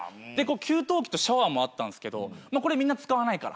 給湯器とシャワーもあったんすけど「みんなこれ使わないから。